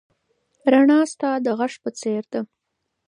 رڼا ستا د غږ په څېر ده.